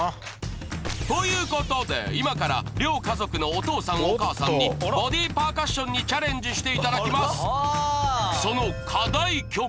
ということで今から両家族のお父さんお母さんにボディパーカッションにチャレンジしていただきます！